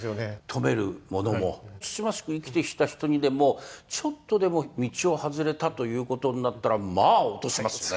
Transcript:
富める者もつつましく生きてきた人にでもちょっとでも道をはずれたということになったらまあ落としますよね